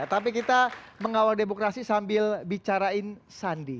tapi kita mengawal demokrasi sambil bicarain sandi